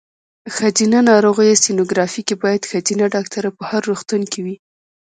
ښځېنه ناروغیو سینوګرافي کې باید ښځېنه ډاکټره په هر روغتون کې وي.